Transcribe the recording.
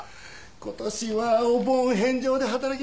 今年はお盆返上で働きましたからね。